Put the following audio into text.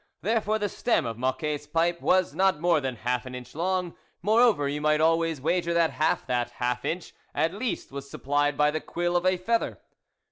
There fore the stem of Mocquet's pipe was not more than half an inch long; moreover you might always wager that half that half inch at least was supplied by the quill of a feather.